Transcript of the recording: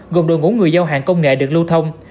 gồm đội ngũ người giao hàng công nghệ được lưu thông